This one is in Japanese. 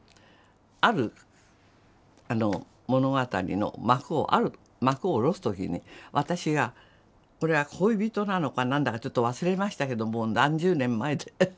ある物語の幕をある幕を下ろす時に私がこれは恋人なのか何だかちょっと忘れましたけどもう何十年も前で。